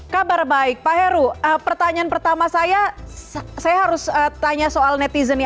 kabar baik pak heru pertanyaan pertama saya saya harus tanya soal netizen nih